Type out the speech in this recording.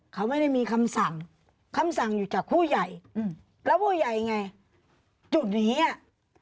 เขาไม่ได้มีคำสั่งคำสั่งอยู่จากผู้ใหญ่อืมแล้วผู้ใหญ่ไงจุดนี้อ่ะ